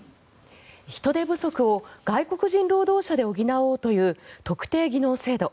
人手不足を外国人労働者で補おうという特定技能制度。